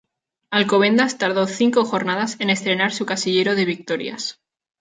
Alcobendas tardó cinco jornadas en estrenar su casillero de victorias.